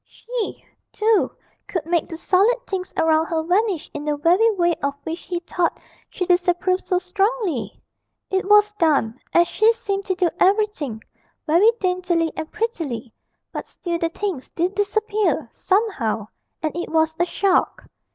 She, too, could make the solid things around her vanish in the very way of which he thought she disapproved so strongly! It was done, as she seemed to do everything, very daintily and prettily but still the things did disappear, somehow, and it was a shock.